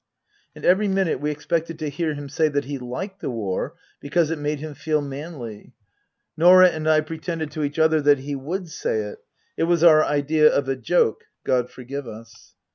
And every minute we expected to hear him say that he liked the War because it made him feel manly. Norah and I pretended to each other that he would say it it was our idea of a joke, God forgive us.